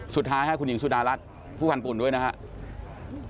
สุดท้ายคุณหญิงสุดารัฐผู้พันธ์ปุ่นด้วยนะครับ